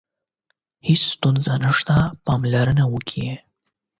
هیڅ ستونزه نشته، پاملرنه وکړئ.